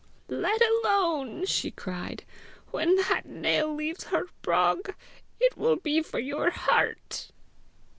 "Let alone," she cried. "When that nail leaves her brog, it will be for your heart."